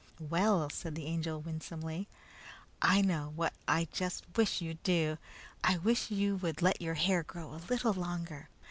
"Well," said the Angel winsomely, "I know what I just wish you'd do. I wish you would let your hair grow a little longer.